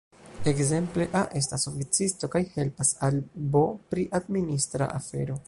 Ekzemple, A estas oficisto kaj helpas al B pri administra afero.